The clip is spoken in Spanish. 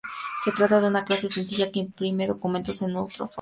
Se trata de una clase sencilla que imprime documentos en uno u otro formato.